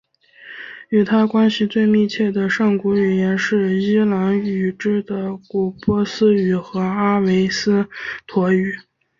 与它关系最密切的上古语言是伊朗语支的古波斯语和阿维斯陀语。